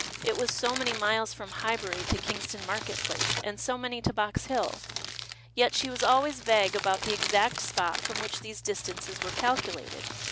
It was so many miles from Highbury to Kingston market place, and so many to Box Hill. Yet she was always vague about the exact spot from which these distances were calculated.